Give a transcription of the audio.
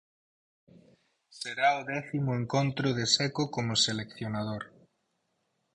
Será o décimo encontro de Seco como seleccionador.